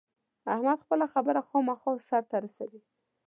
احمد خپله خبره خامخا سر ته رسوي.